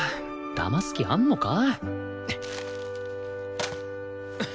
だます気あんのか？